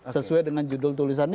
sesuai dengan judul tulisan ini